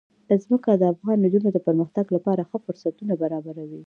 ځمکه د افغان نجونو د پرمختګ لپاره ښه فرصتونه برابروي.